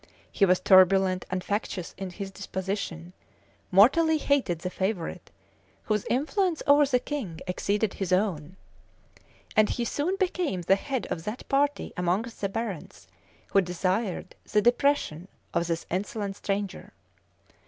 He was turbulent and factious in his disposition; mortally hated the favorite, whose influence over the king exceeded his own; and he soon became the head of that party among the barons who desired the depression of this insolent stranger.